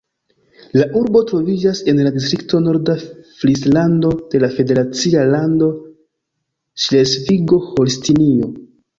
La urbo troviĝas en la distrikto Norda Frislando de la federacia lando Ŝlesvigo-Holstinio.